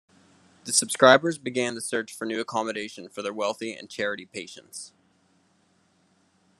The subscribers began the search for new accommodation for their wealthy and charity patients.